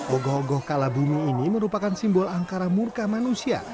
ogo ogo kalabumi ini merupakan simbol angkara murka manusia